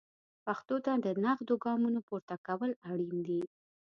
پښتو ته د نغدو ګامونو پورته کول اړین دي.